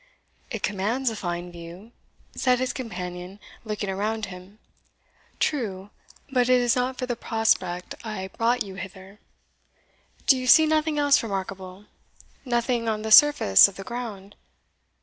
"It commands a fine view," said his companion, looking around him. "True: but it is not for the prospect I brought you hither; do you see nothing else remarkable? nothing on the surface of the ground?"